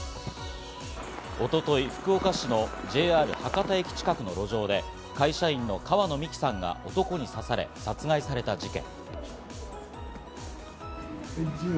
一昨日、福岡市のＪＲ博多駅近くの路上で、会社員の川野美樹さんが男に刺され、殺害された事件。